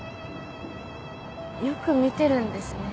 よく見てるんですね。